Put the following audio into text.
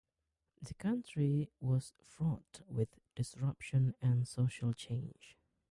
The county was "fraught with disruption and social change".